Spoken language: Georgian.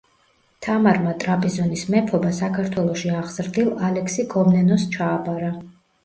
თამარმა ტრაპიზონის მეფობა საქართველოში აღზრდილ ალექსი კომნენოსს ჩააბარა.